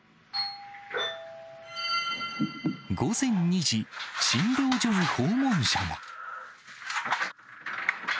午前２時、診療所に訪問者が。